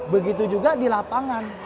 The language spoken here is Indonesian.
begitu juga di lapangan